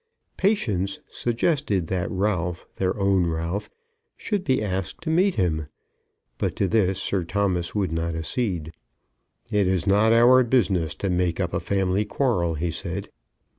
Patience suggested that Ralph, their own Ralph, should be asked to meet him; but to this Sir Thomas would not accede. "It is not our business to make up a family quarrel," he said.